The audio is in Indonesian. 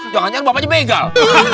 jangan jangan bapaknya begal